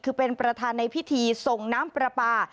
คือเป็นประธานในพิธีส่งน้ำปลาปลา